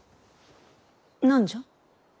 何じゃ？